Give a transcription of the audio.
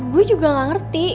gue juga gak ngerti